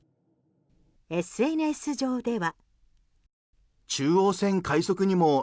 ＳＮＳ上では。